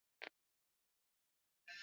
Mfumo wa upumuaji kama alama kuu ya maradhi